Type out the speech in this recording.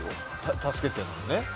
助けてるのにね。